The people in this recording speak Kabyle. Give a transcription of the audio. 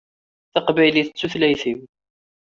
Taqbaylit d tutlayt-iw